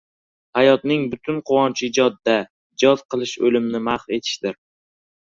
Hayotning butun quvonchi ijodda. Ijod qilish o‘limni mahv etishdir.